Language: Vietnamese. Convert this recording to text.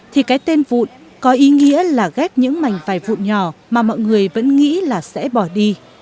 thì cái tên vụn có ý nghĩa là ghép những mảnh vài vụn nhỏ mà mọi người vẫn nghĩ là sẽ bỏ đi